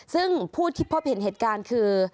ซึ่งผู้ที่พบเห็นเหตุการณ์คือ